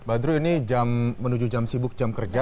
badru ini menuju jam sibuk jam kerja